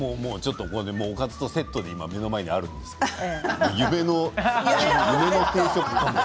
今、おかずとセットで目の前にあるんですけど夢の定食ごはん。